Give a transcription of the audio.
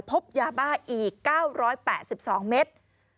พบยาบ้าอีก๙๘๒เมตร